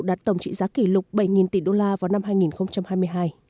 đạt tổng trị giá kỷ lục bảy tỷ đô la vào năm hai nghìn hai mươi hai